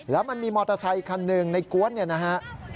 แล้วมันมีมอเตอร์ไซคันหนึ่งในกวนเนี่ยนะฮะ